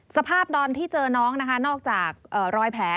สภาพดอนที่เจอน้องนะคะนอกจากรอยแผล